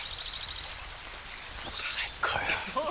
最高よ。